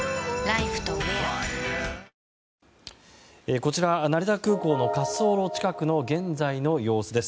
こちら成田空港の滑走路近くの現在の様子です。